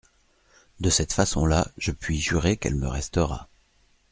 De cette façon-là, je puis jurer qu'elle me restera.